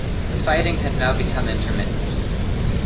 The fighting had now become intermittent.